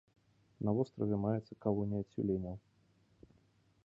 На востраве маецца калонія цюленяў.